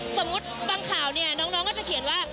สมมุติบางข่าวเนี่ยน้องก็จะเขียนว่า